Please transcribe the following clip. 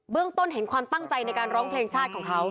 ต้นเห็นความตั้งใจในการร้องเพลงชาติของเขา